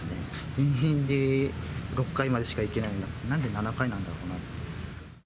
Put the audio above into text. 住人でも６階までしか行けないのに、なんで７階なんだろうなって。